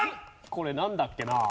これなんだっけな？